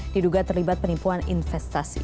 diduga terlibat penipuan investasi